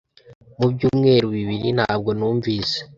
Mu byumweru bibiri ntabwo numvise .